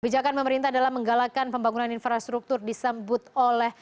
bijakan pemerintah dalam menggalakkan pembangunan infrastruktur disambut oleh